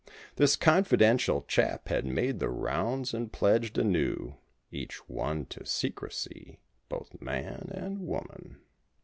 This confidential chap had made the rounds and pledged anew Each one to secrecy—both man and woman.